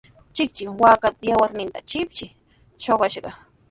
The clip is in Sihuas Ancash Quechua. Chikchimi waakaapa yawarninta shipshi shuqushqa.